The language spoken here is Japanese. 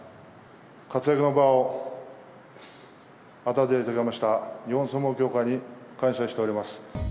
活躍の場を与えていただきました日本相撲協会に感謝しております。